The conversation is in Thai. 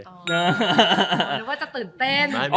เดี๋ยวว่าจะตื่นเต้น